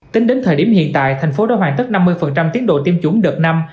tính đến thời điểm hiện tại thành phố đã hoàn tất năm mươi tiến độ tiêm chủng đợt năm